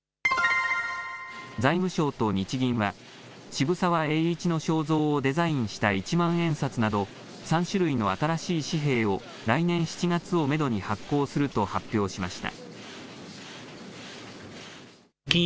財務省と日銀は、渋沢栄一の肖像をデザインした一万円札など、３種類の新しい紙幣を来年７月をメドに発行すると発表しました。